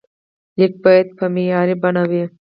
لیک باید په معیاري بڼه وي.